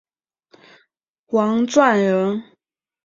王篆人。